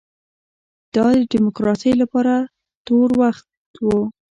دا د ډیموکراسۍ لپاره تور وخت و.